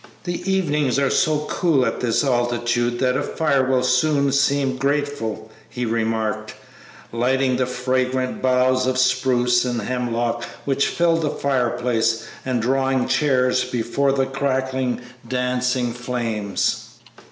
"The evenings are so cool at this altitude that a fire will soon seem grateful," he remarked, lighting the fragrant boughs of spruce and hemlock which filled the fireplace and drawing chairs before the crackling, dancing flames.